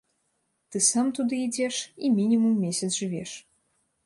Ты сам туды ідзеш і мінімум месяц жывеш.